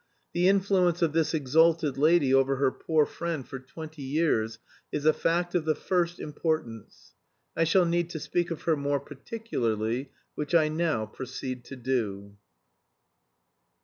The influence of this exalted lady over her poor friend for twenty years is a fact of the first importance. I shall need to speak of her more particularly, which I now proceed to do.